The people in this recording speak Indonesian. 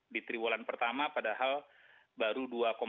di triwulan pertama padahal baru dua sembilan puluh empat